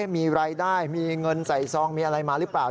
มีรายได้มีเงินใส่ซองมีอะไรมาหรือเปล่า